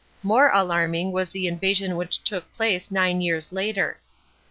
More alarming was the in vasijn which took place nine years later.